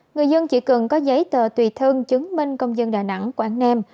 người dân chỉ cần có giấy tờ tùy thân chứng minh công dân đà nẵng quảng nam